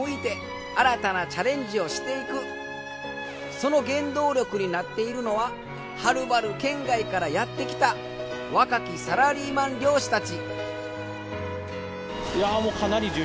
その原動力になっているのははるばる県外からやって来た若きサラリーマン漁師たち。